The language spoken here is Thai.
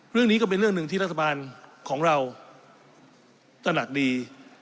เรื่องนี้ก็เป็นเรื่องหนึ่งที่รัฐบาลของเราตระหนักดี